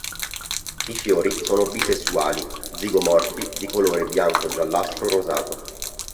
I fiori sono bisessuali, zigomorfi di colore bianco-giallastro-rosato.